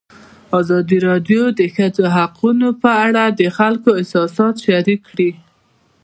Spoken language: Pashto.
ازادي راډیو د د ښځو حقونه په اړه د خلکو احساسات شریک کړي.